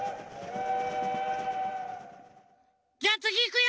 じゃあつぎいくよ！